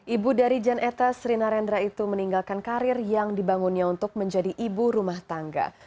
ibu dari jan etes rina rendra itu meninggalkan karir yang dibangunnya untuk menjadi ibu rumah tangga